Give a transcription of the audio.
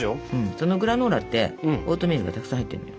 そのグラノーラってオートミールがたくさん入ってんのよ。